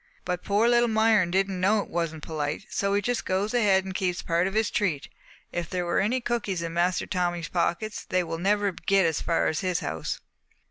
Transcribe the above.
But poor little Myron didn't know it wasn't polite, so he just goes ahead and keeps part of his treat. If there are any cookies in Master Tommy's pockets, they will never get as far as his house."